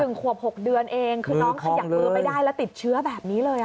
ขวบ๖เดือนเองคือน้องขยับมือไม่ได้แล้วติดเชื้อแบบนี้เลย